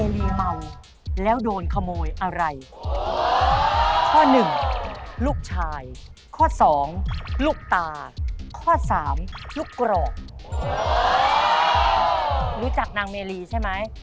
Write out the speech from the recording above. รู้จักนางเมรีใช่ไหม